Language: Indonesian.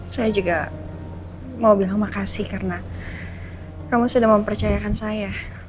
saya juga mau bilang makasih karena kamu sudah mempercayakan saya